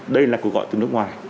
đây là cuộc gọi từ nước ngoài